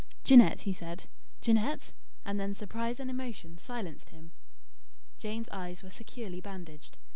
"Jeanette?" he said. "Jeanette!" And then surprise and emotion silenced him. Jane's eyes were securely bandaged.